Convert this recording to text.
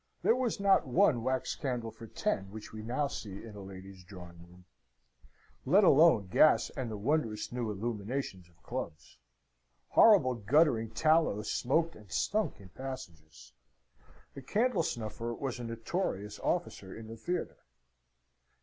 There was not one wax candle for ten which we now see in a lady's drawing room: let alone gas and the wondrous new illuminations of clubs. Horrible guttering tallow smoked and stunk in passages. The candle snuffer was a notorious officer in the theatre.